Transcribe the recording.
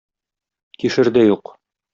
Кишер дә юк.